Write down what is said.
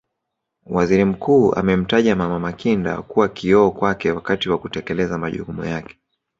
Waziri Mwalimu amemtaja Mama Makinda kuwa kioo kwake wakati wa kutekeleza majukumu yake